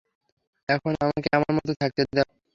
এখন আমাকে আমার মত থাকতে দাও!